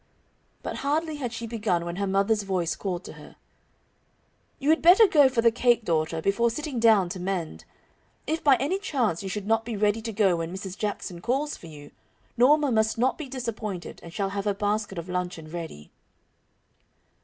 But hardly had she begun when her mother's voice called to her: "You would better go for the cake, daughter, before sitting down to mend. If by any chance you should not be ready to go when Mrs. Jackson calls for you, Norma must not be disappointed and shall have her basket of luncheon ready."